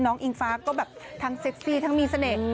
อิงฟ้าก็แบบทั้งเซ็กซี่ทั้งมีเสน่ห์